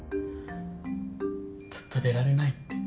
ずっと出られないって。